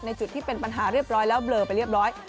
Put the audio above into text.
จุดที่เป็นปัญหาเรียบร้อยแล้วเบลอไปเรียบร้อย